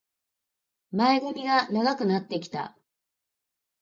前髪が長くなってきた